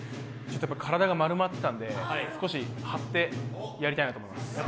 体が丸まってたんで少し張ってやりたいと思います。